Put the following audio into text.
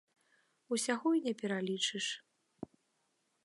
Усяго і не пералічыш.